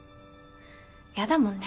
やだもんね